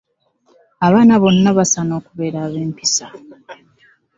Abaana bonna basaana okubeera ab'empisa.